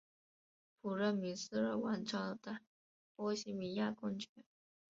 普热米斯尔王朝的波希米亚公爵。